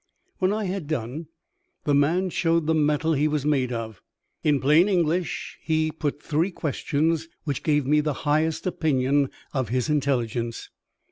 When I had done, the man showed the metal he was made of. In plain English, he put three questions which gave me the highest opinion of his intelligence.